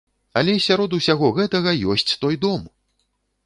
Але сярод усяго гэтага ёсць той дом!